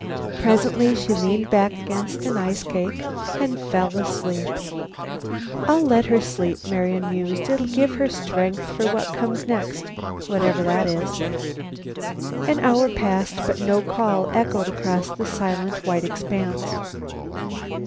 Presently, she leaned back against an ice cake and fell asleep. "I'll let her sleep," Marian mused. "It'll give her strength for what comes next, whatever that is." An hour passed, but no call echoed across the silent white expanse.